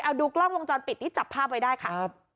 เอาดูกล้องวงจรปิดที่จับภาพไว้ได้ค่ะ